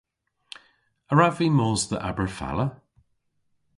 A wrav vy mos dhe Aberfala?